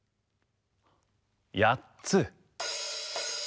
やっつ。